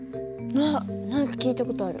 あっ何か聞いた事ある。